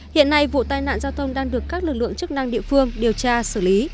hiện nay vụ tai nạn giao thông đang được các lực lượng chức năng địa phương điều tra xử lý